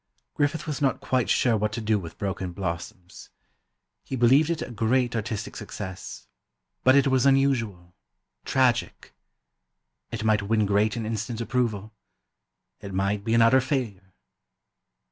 Griffith was not quite sure what to do with "Broken Blossoms." He believed it a great artistic success, but it was unusual, tragic: It might win great and instant approval; it might be an utter failure.